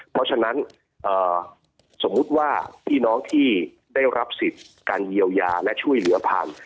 เพราะฉะนั้นสมมุติว่าพี่น้องที่ได้รับสิทธิ์การเยียวยาและช่วยเหลือผ่าน